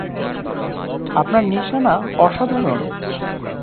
আপনার নিশানা অসাধারণ!